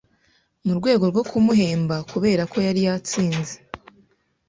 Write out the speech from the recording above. murwego rwo kumuhemba kubera ko yari yatsinze